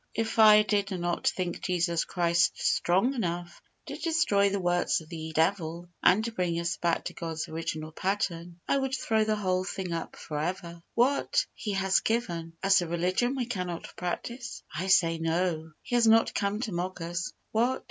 If I did not think Jesus Christ strong enough to destroy the works of the devil, and to bring us back to God's original pattern, I would throw the whole thing up for ever. What! He has given, us a religion we cannot practice? I say, No, He has not come to mock us. What?